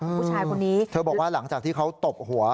ผู้ชายคนนี้เธอบอกว่าหลังจากที่เขาตบหัว